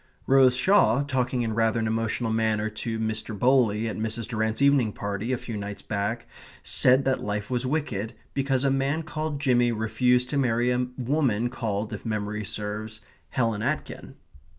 Rose Shaw, talking in rather an emotional manner to Mr. Bowley at Mrs. Durrant's evening party a few nights back, said that life was wicked because a man called Jimmy refused to marry a woman called (if memory serves) Helen Aitken.